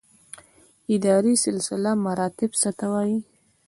اداري سلسله مراتب څه ته وایي؟